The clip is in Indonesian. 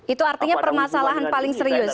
itu artinya permasalahan paling serius